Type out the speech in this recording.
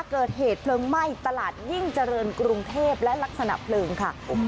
เกิดเหตุเพลิงไหม้ตลาดยิ่งเจริญกรุงเทพและลักษณะเพลิงค่ะ